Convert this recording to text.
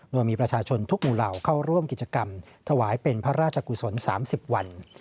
โดยมีประชาชนทุกหมู่เหล่าเข้าร่วมกิจกรรมถวายเป็นพระราชกุศล๓๐วัน